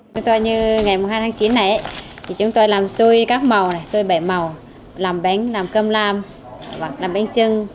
chúng tôi như ngày hai tháng chín này chúng tôi làm xôi các màu này xôi bảy màu làm bánh làm cơm lam làm bánh trưng